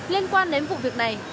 liên quan đến vụ việc này